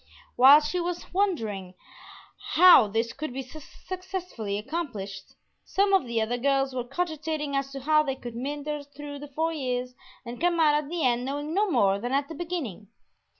While she was wondering how this could be successfully accomplished, some of the other girls were cogitating as to how they could meander through the four years and come out at the end knowing no more than at the beginning.